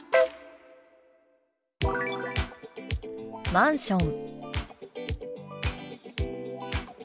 「マンション」。